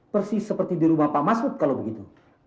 persis seperti di rumah pak masud kalau begitu